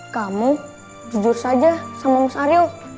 kamu jujur saja sama mas aryo